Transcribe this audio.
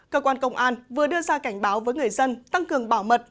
cơ quan công an vừa đưa ra cảnh báo với người dân tăng cường bảo mật